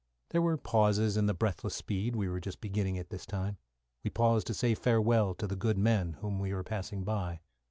There were pauses in the breathless speed we were just beginning at this time. We paused to say farewell to the good men whom we were passing by.